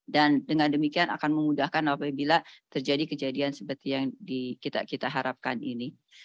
dan dengan demikian akan memudahkan apabila terjadi kejadian seperti yang kita harapkan ini